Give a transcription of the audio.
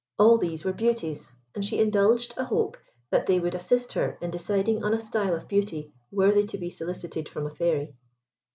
All these were beauties, and she indulged a hope that they would assist her in deciding on a style of beauty worthy to be solicited from a Fairy.